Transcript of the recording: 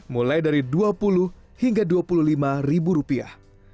mulai dari dua puluh hingga dua puluh lima ribu rupiah